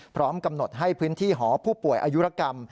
พร้อมกำหนดให้พื้นที่หอผู้ป่วยอายุรกรรม